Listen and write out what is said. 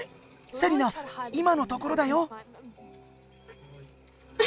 セリナ今のところだよ！